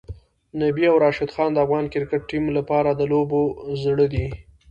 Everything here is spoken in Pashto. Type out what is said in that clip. نبی او راشدخان د افغان کرکټ ټیم لپاره د لوبو زړه دی.